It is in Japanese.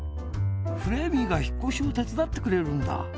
フレーミーがひっこしをてつだってくれるんだ。